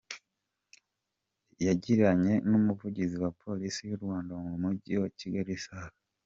rw yagiranye n’umuvugizi wa Polisi y’u Rwanda mu mujyi wa Kigali; Sup.